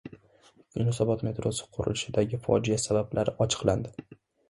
Yunusobod metrosi qurilishidagi fojia sabablari ochiqlandi